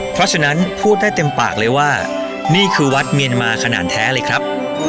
เพราะฉะนั้นพูดได้เต็มปากเลยว่านี่คือวัดเมียนมาขนาดแท้เลยครับ